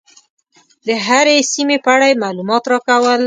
د هرې سیمې په اړه یې معلومات راکول.